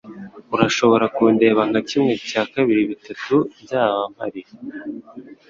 Urashobora kundeba nka kimwe cya kabiri bitatu Nzaba mpari